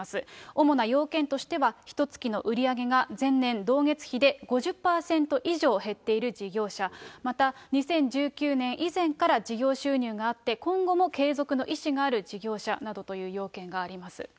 主な要件としては、ひとつきの売り上げが前年同月比で５０％以上減っている事業者、また２０１９年以前から事業収入があって、今後も継続の意思がある事業者などという要件があります。